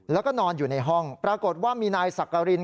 แล้วก็นอนอยู่ในห้องปรากฏว่ามีนายสักกริน